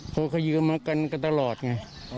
เขาเคยยืมมากันตลอดไง